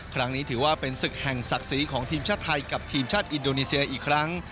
ครั้งนี้ถือว่าเป็นศึกแห่งศักดิ์ศรีของทีมชาติไทยกับทีมชาติอินโดนีเซียอีกครั้ง